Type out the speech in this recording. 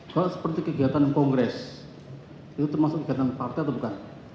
kalau seperti kegiatan kongres itu termasuk kegiatan partai atau bukan